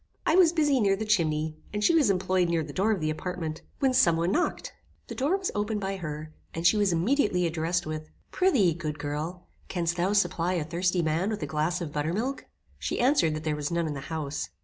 I was busy near the chimney, and she was employed near the door of the apartment, when some one knocked. The door was opened by her, and she was immediately addressed with "Pry'thee, good girl, canst thou supply a thirsty man with a glass of buttermilk?" She answered that there was none in the house.